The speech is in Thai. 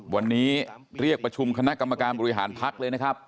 วันนี้เรียกประชุมคณะกรรมการบริหารพักเลยนะครับ